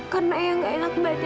kamu takut kalau kava jatuh